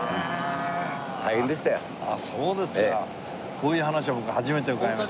こういう話は僕初めて伺いました。